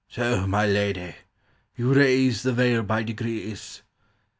"So, my lady, you raise the veil by degrees